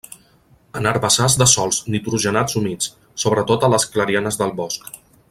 En herbassars de sòls nitrogenats humits, sobretot a les clarianes del bosc.